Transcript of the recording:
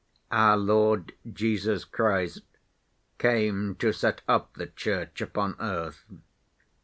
Our Lord Jesus Christ came to set up the Church upon earth.